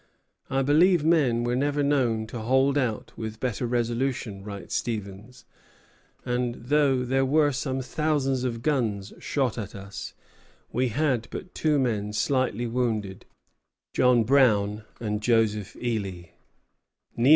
"I believe men were never known to hold out with better resolution," writes Stevens; and "though there were some thousands of guns shot at us, we had but two men slightly wounded, John Brown and Joseph Ely."